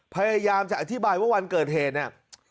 พยายามจะอธิบายว่าวันเกิดเหตุเนี่ย